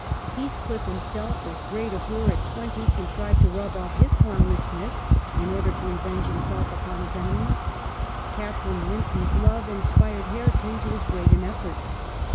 Heathcliff, himself as great a boor at twenty, contrived to rub off his clown ishness in order to revenge himself upon his enemies ; Catharine Linton's love inspired Hare ton to as great an effort.